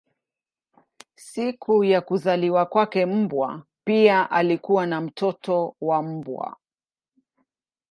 Siku ya kuzaliwa kwake mbwa pia alikuwa na watoto wa mbwa.